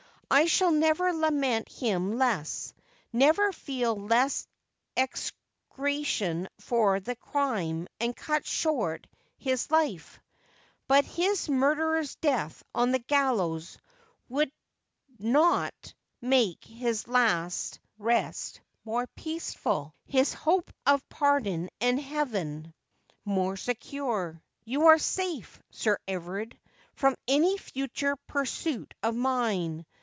I shall never lament him less — never feel less execration for the crime that cut short his life, — but his murderer's death on the gallows would not make his last rest more peaceful, his hope of pardon and heaven more secure. You are safe, Sir Everard, from any future pur suit of mine.